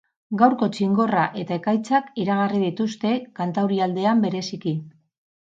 Gaurko txingorra eta ekaitzak iragarri dituzte, kantaurialdean bereziki.